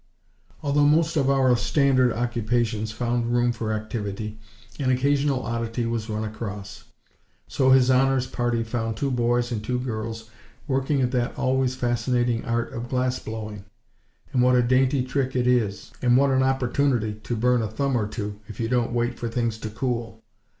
Although most of our standard occupations found room for activity, an occasional oddity was run across. So His Honor's party found two boys and two girls working at that always fascinating art of glass blowing. And what a dainty trick it is! And what an opportunity to burn a thumb or two, if you don't wait for things to cool!